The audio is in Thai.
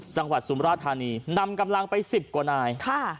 จังหวัดสุมราธานีนำกำลังไปสิบกว่านายค่ะ